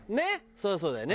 そりゃそうだよね。